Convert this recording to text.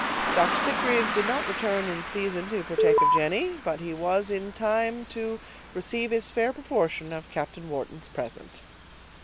Dr. Sitgreaves did not return in season to partake of Jenny, but he was in time to receive his fair proportion of Captain Wharton's present.